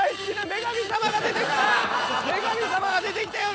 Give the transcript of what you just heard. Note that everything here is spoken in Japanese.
女神様が出てきたよ！